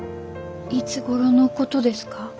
いつごろのことですか？